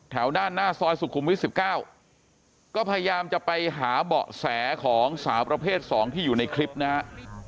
ด้านหน้าซอยสุขุมวิท๑๙ก็พยายามจะไปหาเบาะแสของสาวประเภท๒ที่อยู่ในคลิปนะฮะ